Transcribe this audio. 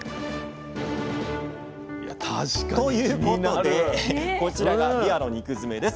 ということでこちらがびわの肉づめです。